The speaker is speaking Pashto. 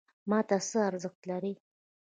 ماته څه ارزښت لري؟